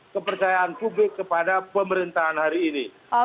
kepercayaan publik kepada pemerintahan hari ini